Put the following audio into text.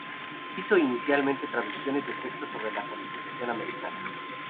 Hizo inicialmente traducciones de textos sobre la colonización americana.